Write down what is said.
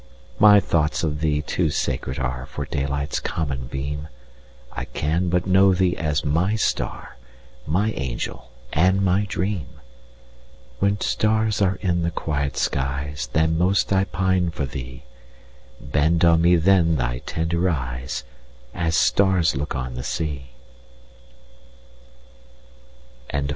My thoughts of thee too sacred areFor daylight's common beam:I can but know thee as my star, My angel and my dream; When stars are in the quiet skies, Then most I pine for thee; Bend on me then thy tender eyes, As stars look on the sea!